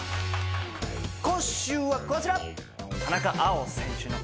今週はこちら。